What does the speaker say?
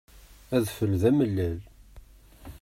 Adfel d amellal.